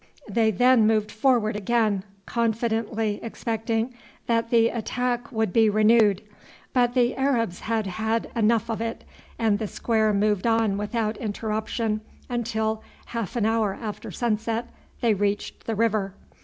They then moved forward again, confidently expecting that the attack would be renewed; but the Arabs had had enough of it, and the square moved on without interruption until, half an hour after sunset, they reached the river.